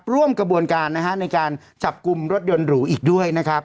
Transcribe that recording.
ร่วมกระบวนการในการจับกลุ่มรถยนต์หรูอีกด้วย